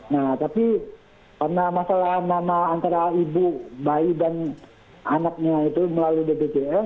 nah tapi karena masalah nama antara ibu bayi dan anaknya itu melalui bpjs